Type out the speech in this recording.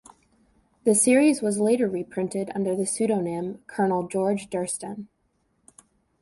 The series was later reprinted under the pseudonym Colonel George Durston.